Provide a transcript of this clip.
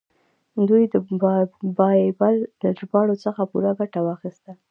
دوی د بایبل له ژباړو څخه پوره ګټه واخیسته.